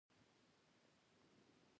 دوستي تل په اخلاص ولاړه وي.